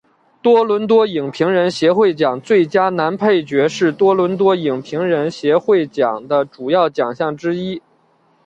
多伦多影评人协会奖最佳男配角是多伦多影评人协会奖的主要奖项之一。